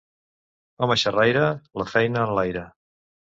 Home xerraire, la feina enlaire.